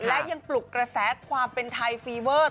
และยังปลุกกระแสความเป็นไทยฟีเวอร์